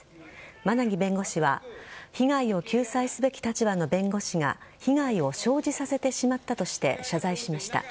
馬奈木弁護士は被害を救済すべき立場の弁護士が被害を生じさせてしまったとして謝罪しました。